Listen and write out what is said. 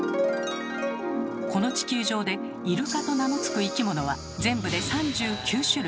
この地球上で「イルカ」と名のつく生き物は全部で３９種類。